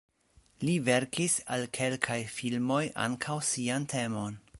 Li verkis al kelkaj filmoj ankaŭ sian temon.